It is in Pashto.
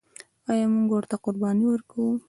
آیا موږ ورته قرباني ورکوو؟